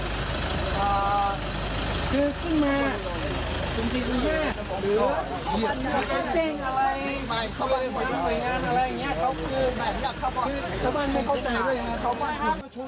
อ่าคือขึ้นมาจุ่มจีบอุ่นแห้ง